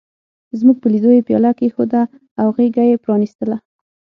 زموږ په لیدو یې پياله کېښوده او غېږه یې پرانستله.